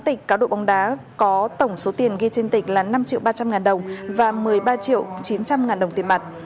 hai tịch cá độ bóng đá có tổng số tiền ghi trên tịch là năm triệu ba trăm linh ngàn đồng và một mươi ba triệu chín trăm linh ngàn đồng tiền mặt